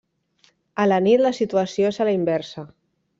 A la nit la situació és a la inversa.